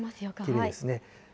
きれいですね。